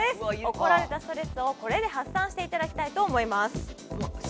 怒られたストレスをこれで発散していただきたいと思います。